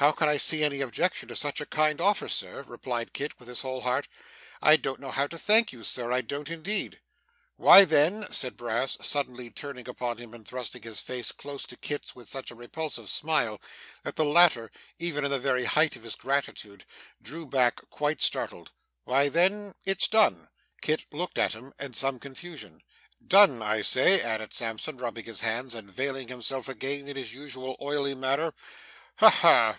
'How can I see any objection to such a kind offer, sir?' replied Kit with his whole heart. 'I don't know how to thank you sir, I don't indeed.' 'Why then,' said Brass, suddenly turning upon him and thrusting his face close to Kit's with such a repulsive smile that the latter, even in the very height of his gratitude, drew back, quite startled. 'Why then, it's done.' Kit looked at him in some confusion. 'Done, I say,' added Sampson, rubbing his hands and veiling himself again in his usual oily manner. 'Ha ha!